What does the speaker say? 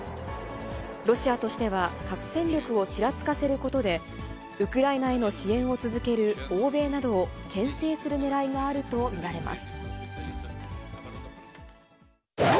ロシアとしては、核戦力をちらつかせることで、ウクライナへの支援を続ける欧米などをけん制するねらいがあると見られます。